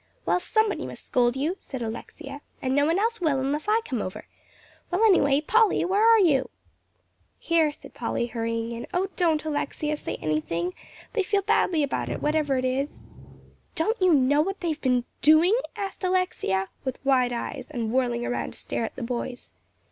"Well, somebody must scold you," said Alexia, "and no one else will, unless I come over. Well, anyway, Polly, where are you?" "Here," said Polly, hurrying in, "oh, don't, Alexia, say anything, they feel badly about it, whatever it is." "Don't you know what they've been doing?" asked Alexia, with wide eyes, and whirling around to stare at the boys.